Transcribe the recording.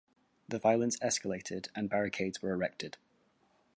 The violence escalated and barricades were erected.